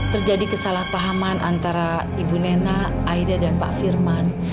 terjadi kesalahpahaman antara ibu nena aida dan pak firman